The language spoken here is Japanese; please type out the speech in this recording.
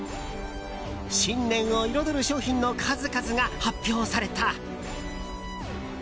新年を彩る商品の数々が発表された。